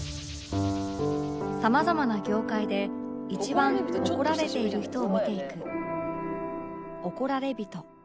さまざまな業界で一番怒られている人を見ていく